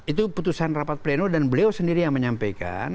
itu putusan rapat pleno dan beliau sendiri yang menyampaikan